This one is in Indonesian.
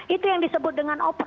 itu yang disebut dengan opsi